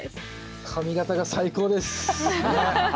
髪形が最高です。